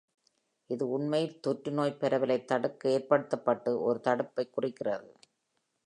இது உண்மையில் தொற்று நோய்ப் பரவலை தடுக்க ஏற்படுத்தப்பட்டு ஒரு தடுப்பைக் குறிக்கிறது.